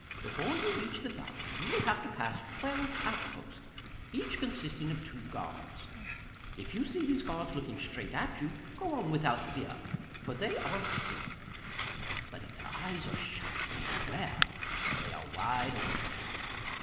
Before you reach the vine you will have to pass twelve outposts, each consisting of two guards. If you see these guards looking straight at you, go on without fear, for they are asleep. But if their eyes are shut then beware, for they are wide awake.